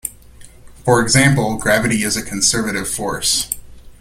For example, gravity is a conservative force.